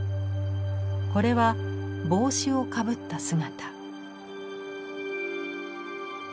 これは帽子をかぶった姿。